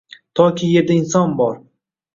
Toki yerda inson bor